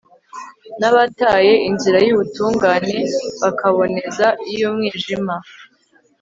n'abataye inzira y'ubutungane bakaboneza iy'umwijima